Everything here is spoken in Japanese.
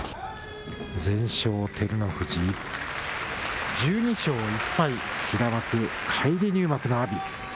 全勝、照ノ富士、１２勝１敗、平幕、返り入幕の阿炎。